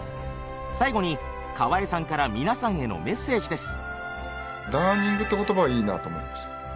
最後に河江さんから皆さんへのメッセージです。